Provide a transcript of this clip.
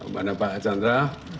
mana pak archandra